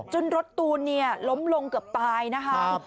รถตูนล้มลงเกือบตายนะคะ